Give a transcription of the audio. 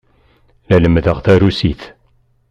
La lemmdeɣ tarusit.